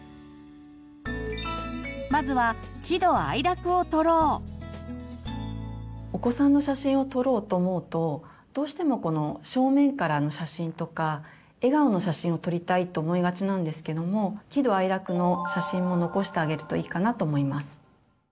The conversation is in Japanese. まずはお子さんの写真を撮ろうと思うとどうしてもこの正面からの写真とか笑顔の写真を撮りたいと思いがちなんですけども喜怒哀楽の写真も残してあげるといいかなと思います。